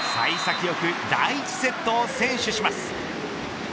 幸先良く第１セットを先取します。